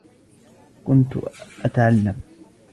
كنت أتعلّم.